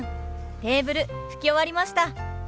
テーブル拭き終わりました。